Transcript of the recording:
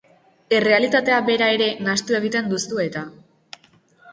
Errealitatea bera ere nahastu egiten duzue-eta!